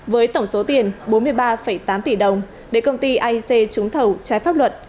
với tổng số tiền bốn mươi ba tám tỷ đồng để công ty aic trúng thầu trái pháp luật